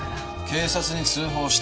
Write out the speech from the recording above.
警察に通報した。